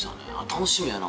楽しみやな。